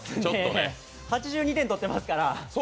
８２点取ってますから。